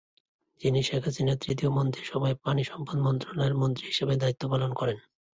যিনি শেখ হাসিনার তৃতীয় মন্ত্রীসভায় পানি সম্পদ মন্ত্রণালয়ের মন্ত্রী হিসেবে দায়িত্ব পালন করেন।